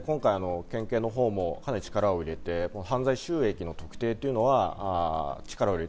県警のほうもかなり力を入れて犯罪収益の特定というのは力を入れ